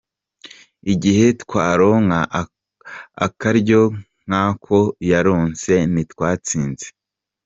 Igihe twaronka akaryo nk'ako yaronse ntitwatsinze.